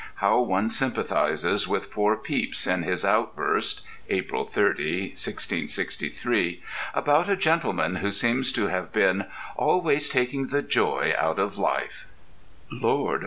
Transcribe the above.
How one sympathizes with poor Pepys in his outburst (April 30, 1663) about a gentleman who seems to have been "Always Taking the Joy Out of Life": Lord!